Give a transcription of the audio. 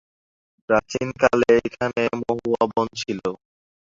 প্রাচীনকালে এখানে মহুয়া বন ছিল।